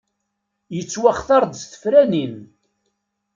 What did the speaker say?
Yettwaxtar-d s tefranin.